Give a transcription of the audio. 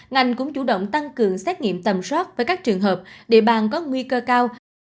ngành cũng chủ động tăng cường xét nghiệm tầm soát với các trường hợp địa bàn có nguy cơ cao